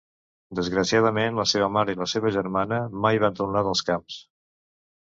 Desgraciadament, la seva mare i la seva germana mai van tornar dels camps.